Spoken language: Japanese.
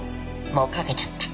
もうかけちゃった。